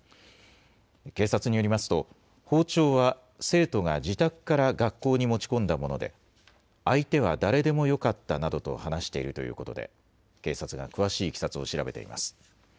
警察によりますと、包丁は生徒が自宅から学校に持ち込んだもので、相手は誰でもよかったなどと話しているということで、警察が詳しいいきさつを調べています。